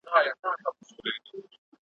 چي آواز یې داسي ډک دی له هیبته ,